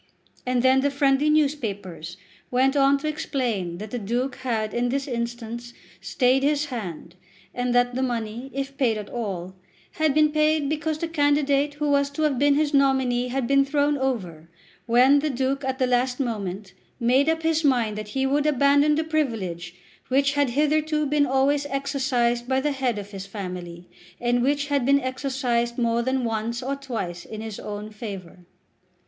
And then the friendly newspapers went on to explain that the Duke had in this instance stayed his hand, and that the money, if paid at all, had been paid because the candidate who was to have been his nominee had been thrown over, when the Duke at the last moment made up his mind that he would abandon the privilege which had hitherto been always exercised by the head of his family, and which had been exercised more than once or twice in his own favour.